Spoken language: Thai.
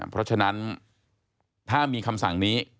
เพราะฉะนั้นถ้ามีคำสั่งนี้